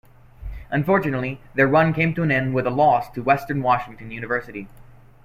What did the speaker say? Unfortunately, their run came to an end with a loss to Western Washington University.